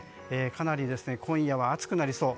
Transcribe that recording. かなり今夜は暑くなりそう。